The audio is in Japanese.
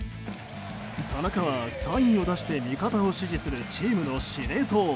田中はサインを出して味方を指示するチームの司令塔。